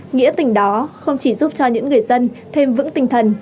nghĩa tình đó không chỉ giúp cho những người dân thêm vững tinh thần